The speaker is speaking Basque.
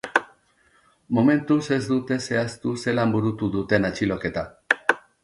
Momentuz ez dute zehaztu zelan burutu duten atxiloketa.